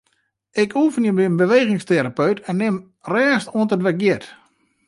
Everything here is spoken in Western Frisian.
Ik oefenje by in bewegingsterapeut en nim rêst oant it wer giet.